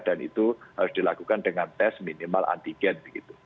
dan itu harus dilakukan dengan tes minimal antigen